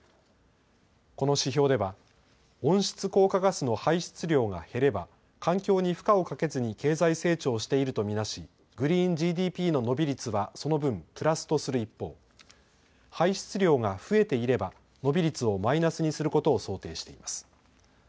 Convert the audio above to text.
この指標では温室効果ガスの排出量が減れば環境に負荷をかけずに経済成長していると見なしグリーンＧＤＰの伸び率はその分、プラスとする一方、排出量が増えていれば伸び率をマイナスにすることを想定しています。